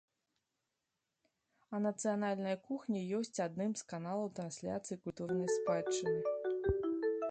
А нацыянальная кухня ёсць адным з каналаў трансляцыі культурнай спадчыны.